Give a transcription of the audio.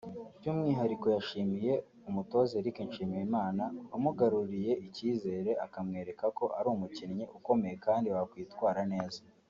By’umwihariko yashimiye umutoza Eric Nshimiyimana wamugaruriye icyizere akamwereka ko ari umukinnyi ukomeye kandi wakwitwara neza